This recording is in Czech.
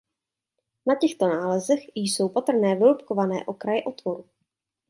Na těchto nálezech jsou patrné vroubkované okraje otvoru.